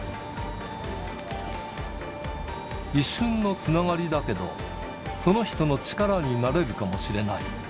一瞬のつながりだけど、その人の力になれるかもしれない。